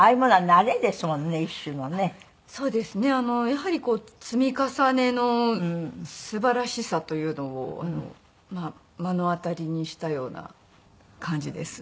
やはり積み重ねのすばらしさというのを目の当たりにしたような感じです。